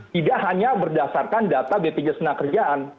tidak hanya berdasarkan data bpjs tenaga kerjaan